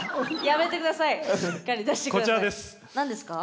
何ですか？